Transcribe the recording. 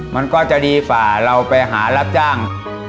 มันก็จะดีฝ่าเราไปหารับจ้าง